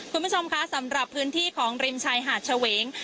คุณผู้ชมคะสำหรับพื้นที่ของริมชายหาดเฉวง